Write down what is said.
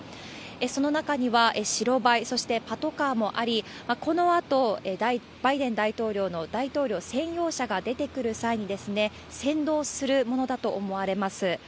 その中には、白バイ、そしてパトカーもあり、このあと、バイデン大統領の大統領専用車が出てくる際に、先導するものだと思われます。